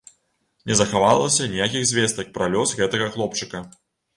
Не захавалася ніякіх звестак пра лёс гэтага хлопчыка.